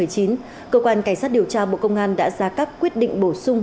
cơ quan cảnh sát điều tra bộ công an đã ra các quyết định bổ sung